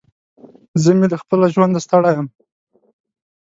زه مې له خپل ژونده ستړی يم.